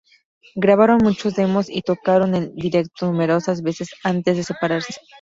Grabaron muchos demos y tocaron en directo numerosas veces antes de separarse.